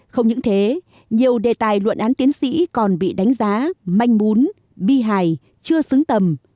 không những thế nhiều đề tài luận án tiến sĩ còn bị đánh giá manh bún bi hài chưa xứng tầm